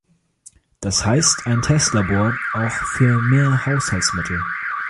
Das heißt, ein Testlabor auch für mehr Haushaltsmittel.